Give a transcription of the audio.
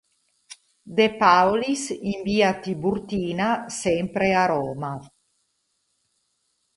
De Paolis in Via Tiburtina, sempre a Roma.